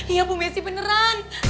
iya bu messi beneran